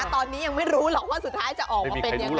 ตอนนี้ยังไม่รู้หรอกว่าสุดท้ายจะออกมาเป็นยังไง